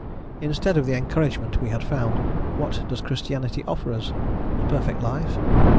Instead of the encouragement we had found, what does Christianity offer us? a perfect life?